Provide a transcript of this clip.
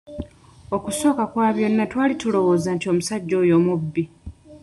Okusooka kwa byonna twali tulowooza nti omusajja oyo mubbi.